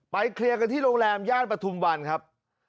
เคลียร์กันที่โรงแรมย่านปฐุมวันครับ